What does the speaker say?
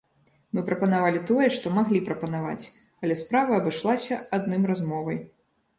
Мы прапанавалі тое, што маглі прапанаваць, але справа абышлася адным размовай.